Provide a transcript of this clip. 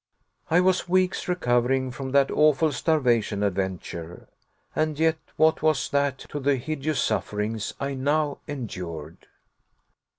I was weeks recovering from that awful starvation adventure; and yet what was that to the hideous sufferings I now endured?